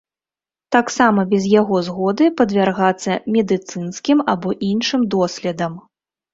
Таксама без яго згоды падвяргацца медыцынскім або іншым доследам.